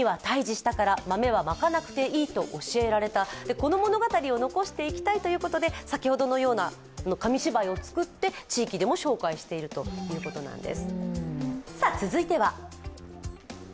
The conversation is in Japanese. この物語を残していきたいということで先ほどのような紙芝居を作って地域でも紹介しているということなんです。